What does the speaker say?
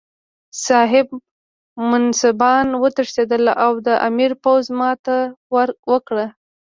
صاحب منصبان وتښتېدل او د امیر پوځ ماته وکړه.